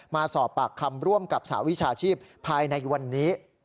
มาสอบปากคำร่วมกับสหวิชาชีพภายในวันนี้